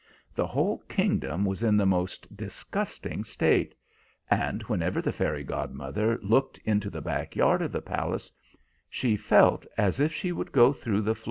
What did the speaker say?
The whole kingdom was in the most disgusting state, and whenever the fairy godmother looked into the back yard of the palace she felt as if she would go through the floor.